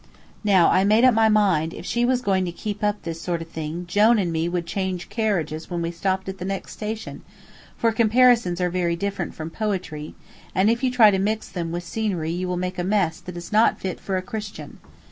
Now I made up my mind if she was going to keep up this sort of thing Jone and me would change carriages when we stopped at the next station, for comparisons are very different from poetry, and if you try to mix them with scenery you make a mess that is not fit for a Christian.